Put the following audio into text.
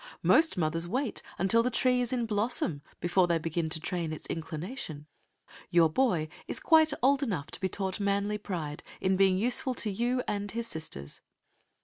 Most mothers wait until the tree is in blossom before they begin to train its inclination. Your boy is quite old enough to be taught manly pride, in being useful to you and his sisters.